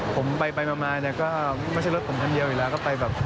ผมไปมาเนี่ยก็ไม่ใช่รถผมคันเดียวอยู่แล้วก็ไปแบบ